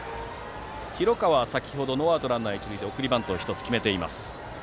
広川は先程、ノーアウト一塁二塁で送りバントを１つ決めています。